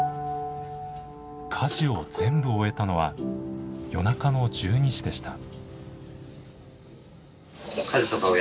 家事を全部終えたのは夜中の１２時でした。